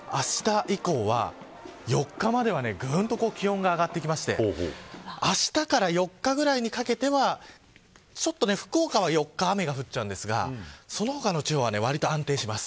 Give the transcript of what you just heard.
あした以降４日まではぐんと気温が上がってきてあしたから４日ぐらいにかけては福岡は４日は雨が降っちゃうんですがその他の地方は割と安定します。